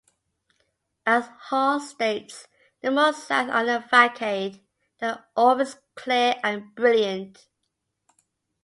As Hall states, the mosaics on the facade are always clear and brilliant.